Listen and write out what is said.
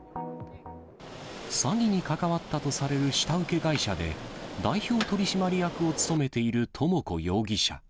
詐欺に関わったとされる下請け会社で、代表取締役を務めている智子容疑者。